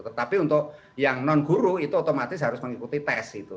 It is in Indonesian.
tetapi untuk yang non guru itu otomatis harus mengikuti tes gitu